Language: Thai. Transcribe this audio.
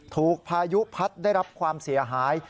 พายุพัดได้รับความเสียหาย